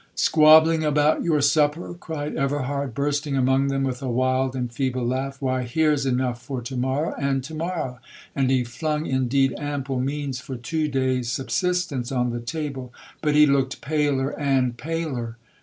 'Squabbling about your supper?' cried Everhard, bursting among them with a wild and feeble laugh,—'Why, here's enough for to morrow—and to morrow.' And he flung indeed ample means for two day's subsistence on the table, but he looked paler and paler.